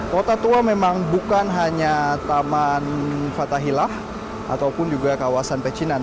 kota tua memang bukan hanya taman fath ahilah atau pun juga kawasan pecinan